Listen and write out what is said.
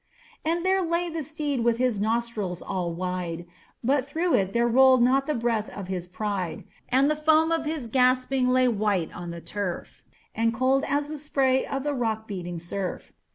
And there lay the steed with his nostril all wide, But through it there rolled not the breath of his pride; And the foam of his gasping lay white on the turf, And cold as the spray of the rock beating surf.